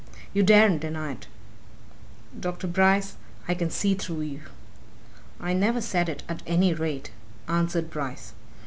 You daren't deny it. Dr. Bryce I can see through you!" "I never said it, at any rate," answered Bryce.